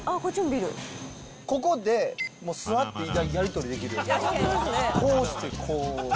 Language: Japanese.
ここで座ってやり取りできる、こうしてこう。